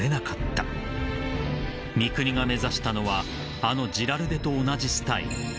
［三國が目指したのはあのジラルデと同じスタイル］